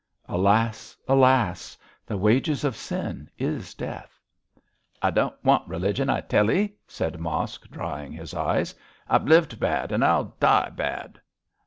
'Alas! alas! the wages of sin is death.' 'I don't want religion, I tell 'ee,' said Mosk, drying his eyes; 'I've lived bad and I'll die bad.'